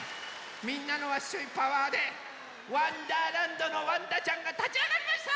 みんなのワッショイパワーで「わんだーらんど」のわんだちゃんがたちあがりました！